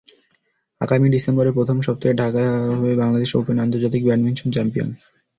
আগামী ডিসেম্বরের প্রথম সপ্তাহে ঢাকায় হবে বাংলাদেশ ওপেন আন্তর্জাতিক ব্যাডমিন্টন চ্যাম্পিয়নশিপ।